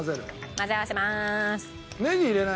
混ぜ合わせまーす。